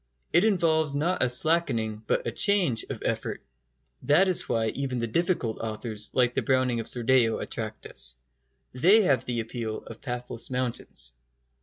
It involves not a slackening, but a change, of effort. That is why even the difficult authors like the Browning of Sordello attract us. They have the appeal of pathless mountains.